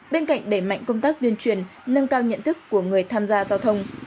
bên cạnh để mạnh công tác duyên truyền nâng cao nhận thức của người tham gia giao thông